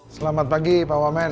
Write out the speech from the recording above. selamat pagi pak wamen